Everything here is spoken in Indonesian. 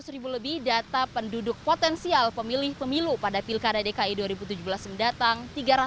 seratus ribu lebih data penduduk potensial pemilih pemilu pada pilkada dki dua ribu tujuh belas mendatang